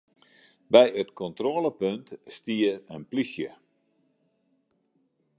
By it kontrôlepunt stiet in plysje.